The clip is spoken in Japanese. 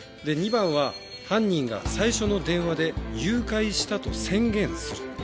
で２番は犯人が最初の電話で誘拐したと宣言する。